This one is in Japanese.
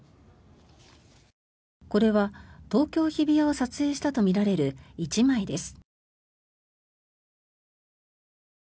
これは東京・日比谷を撮影したとみられる１枚です。